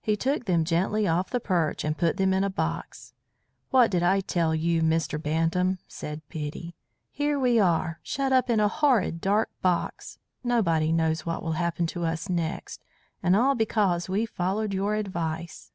He took them gently off the perch and put them in a box. "What did I tell you, Mr. Bantam?" said Biddy. "Here we are, shut up in a horrid dark box; nobody knows what will happen to us next. And all because we followed your advice."